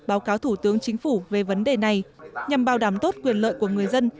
báo cáo thủ tướng chính phủ về vấn đề này nhằm bảo đảm tốt quyền lợi của người dân